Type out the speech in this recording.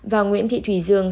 và nguyễn thị thùy dương